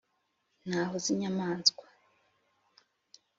intaho z’inyamaswa